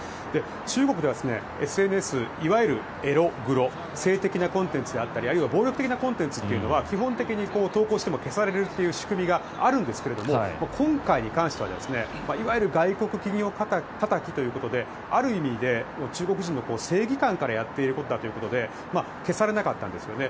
中国ではＳＮＳいわゆるエログロ性的なコンテンツであったりあるいは暴力的なコンテンツは基本的に投稿しても消されるという仕組みがあるんですが今回に関しては、いわゆる外国企業たたきということである意味で中国人の正義感からやっていることだということで消されなかったんですよね。